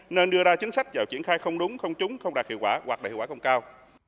nên đưa ra chính sách vào triển khai không đúng không trúng không đạt hiệu quả hoặc đạt hiệu quả không cao